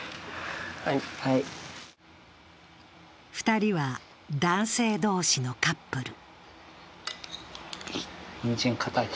２人は男性同士のカップル。